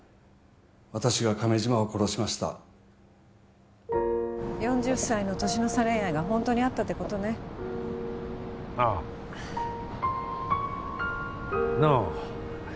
私が亀島を殺しました４０歳の年の差恋愛がホントにあったってことねああなあ